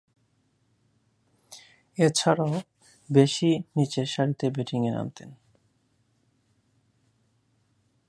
এছাড়াও, বেশ নিচেরসারিতে ব্যাটিংয়ে নামতেন।